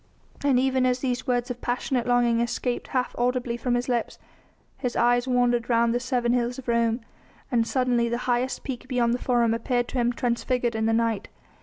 And even as these words of passionate longing escaped half audibly from his lips his eyes wandered round the seven hills of Rome, and suddenly the highest peak beyond the Forum appeared to him transfigured in the night.